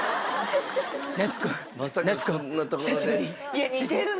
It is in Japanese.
いや似てるね。